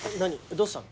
どうしたの？